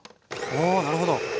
おなるほど。